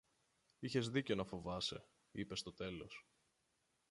Είχες δίκαιο να φοβάσαι, είπε στο τέλος